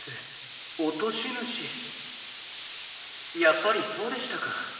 やっぱりそうでしたか。